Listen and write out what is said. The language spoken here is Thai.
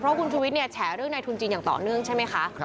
เพราะคุณชุวิตเนี่ยแฉเรื่องในทุนจีนอย่างต่อเนื่องใช่ไหมคะ